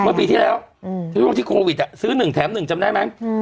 เมื่อปีที่แล้วอืมที่โควิดอ่ะซื้อหนึ่งแถมหนึ่งจำได้ไหมอืม